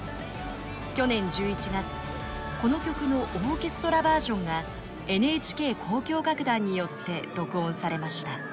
去年１１月この曲のオーケストラバージョンがＮＨＫ交響楽団によって録音されました。